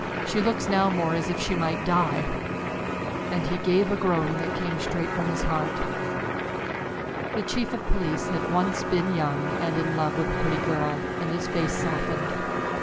She looks now more as if she might die!" and he gave a groan that came straight from his heart. The chief of police had once been young and in love with a pretty girl and his face softened.